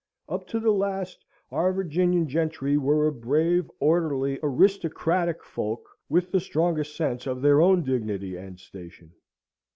Up to the last, our Virginian gentry were a grave, orderly, aristocratic folk, with the strongest sense of their own dignity and station.